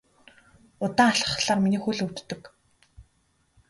Удаан алхахлаар миний хөл өвддөг.